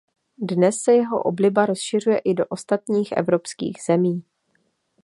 Dnes se jeho obliba rozšiřuje i do ostatních evropských zemí.